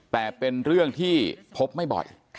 แต่เป็นเรื่องที่พบไม่บ่อย